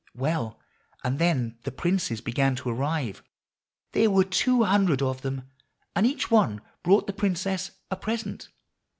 Well, and then the princes began to arrive. There were two hundred of them, and each one brought the princess a present.